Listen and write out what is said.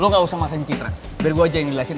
lo gak usah makan citra dari gue aja yang jelasin